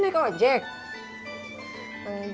nih pakcik gue pengen